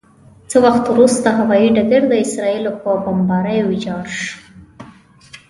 څه وخت وروسته هوايي ډګر د اسرائیلو په بمبارۍ ویجاړ شو.